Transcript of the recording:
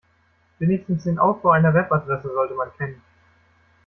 Wenigstens den Aufbau einer Webadresse sollte man kennen.